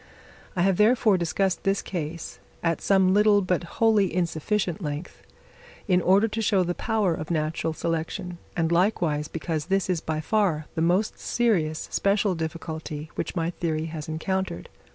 I have, therefore, discussed this case, at some little but wholly insufficient length, in order to show the power of natural selection, and likewise because this is by far the most serious special difficulty which my theory has encountered.